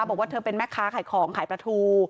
บอกว่าเธอเป็นแม่ค้าขายของขายปลาทู